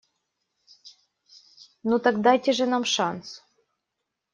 Ну так дайте же нам шанс.